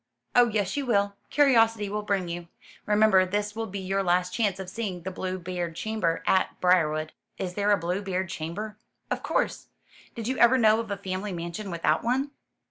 "Oh yes you will. Curiosity will bring you. Remember this will be your last chance of seeing the Bluebeard chamber at Briarwood." "Is there a Bluebeard chamber?" "Of course. Did you ever know of a family mansion without one?"